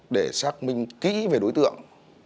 để xác minh kỹ về đối tượng